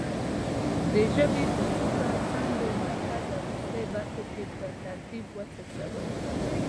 د ژبې په څوکه، څنډو، مرکز او وروستۍ برخو کې په ترتیب وڅڅوي.